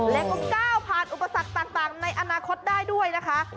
และก็ก้าวผ่านอุปสรรคต่างในอนาคตได้ด้วยนะคะ